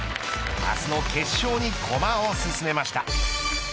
明日の決勝に駒を進めました。